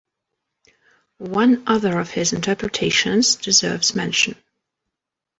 One other of his interpretations deserves mention.